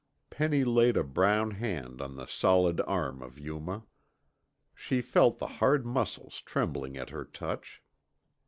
Penny laid a brown hand on the solid arm of Yuma. She felt the hard muscles trembling at her touch.